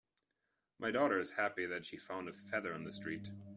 My daughter is happy that she found a feather on the street.